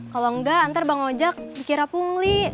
kalau enggak ntar bang ojak dikira pungli